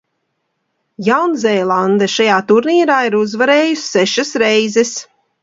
Jaunzēlande šajā turnīrā ir uzvarējusi sešas reizes.